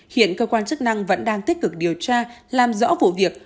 hiện cơ quan chức năng vẫn đang tích cực điều tra làm rõ vụ việc